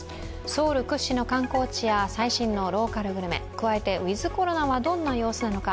ソウル屈指の観光地や最新のローカルグルメ加えてウィズ・コロナはどんな様子なのか。